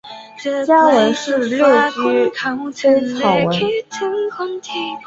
家纹是六鸠酢草纹。